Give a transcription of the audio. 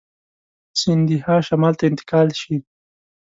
سیندهیا شمال ته انتقال شي.